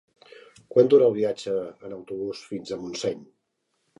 Quant dura el viatge en autobús fins a Montseny?